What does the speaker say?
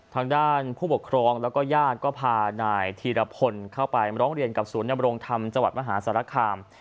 ทางด้านผู้ปกครองและก็ย่าดก็พานายถีระพลเข้าไปเง้อกับสูญจำโรงธรรมจมหาสรรคาม